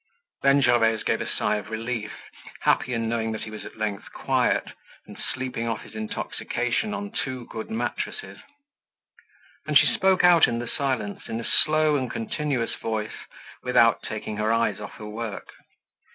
Then Gervaise gave a sigh of relief, happy in knowing that he was at length quiet, and sleeping off his intoxication on two good mattresses. And she spoke out in the silence, in a slow and continuous voice, without taking her eyes off her work.